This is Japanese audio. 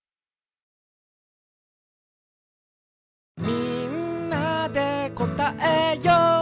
「みんなでこたえよう」キュー！